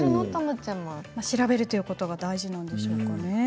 調べるということが大事なんですけどね。